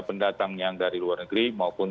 pendatang yang dari luar negeri maupun